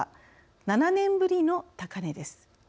７年ぶりの高値です。